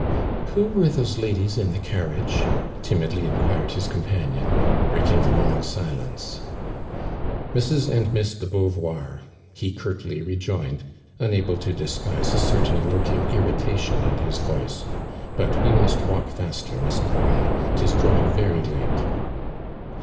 " Who were those ladies in the carriage ?" timidly inquired his compainion, breaking a long silence. "Mrs. and Mias d© Beauvoii ," he curtly rejoined, unable to disguise a certain lurk ing irritation in his voice. "But wo must walk faster, Miss Laurin. 'Tis growing very late."